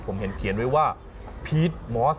ผมเห็นเขียนไว้ว่าพีชมอส